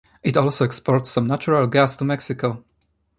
It also exports some natural gas to Mexico.